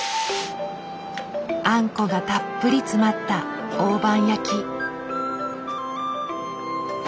あんこがたっぷり詰まった大判焼き。